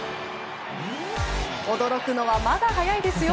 驚くのはまだ早いですよ！